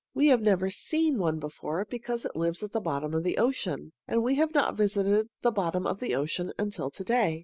We have never seen one before because it lives at the bottom of the ocean, and we have not visited the bottom of the ocean until to day.